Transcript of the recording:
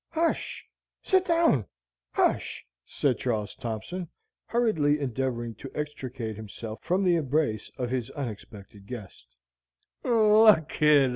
"Hush sit down! hush!" said Charles Thompson, hurriedly endeavoring to extricate himself from the embrace of his unexpected guest.